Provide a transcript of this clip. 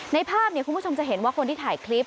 ในภาพคุณผู้ชมจะเห็นว่าคนที่ถ่ายคลิป